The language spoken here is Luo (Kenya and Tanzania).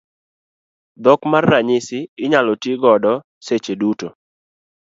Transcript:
Dhok mar ranyisi inyalo ti godo seche duto.